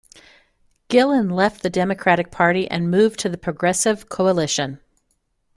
Gillon left the Democratic Party and moved to the Progressive Coalition.